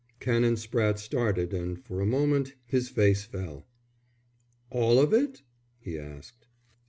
Canon Spratte started and for a moment his face fell. "All of it?" he asked.